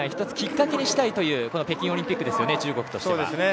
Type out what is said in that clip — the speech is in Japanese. １つのきっかけにしたいという北京オリンピックですね、中国は。